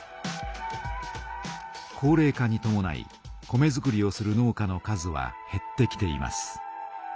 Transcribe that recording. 高れい化にともない米づくりをする農家の数はへってきています。